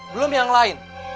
belum yang lain